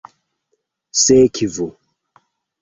sekvu